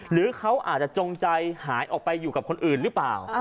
หรือเขาอาจจะจงใจหายออกไปอยู่กับคนอื่นหรือเปล่า